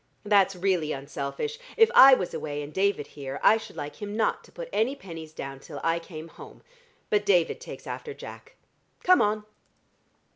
That's really unselfish: if I was away and David here, I should like him not to put any pennies down till I came home. But David takes after Jack. Come on!"